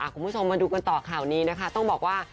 คุณผู้ชมมาดูกันต่อข่าวนี้นะคะต้องบอกว่า